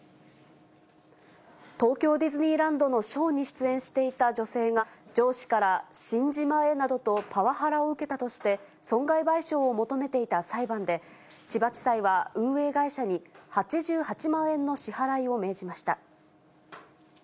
東京ディズニーランドのショーに出演していた女性が、上司から死んじまえなどとパワハラを受けたとして、損害賠償を求めていた裁判で、千葉地裁は運営会社に８８万円の支払いを命じました。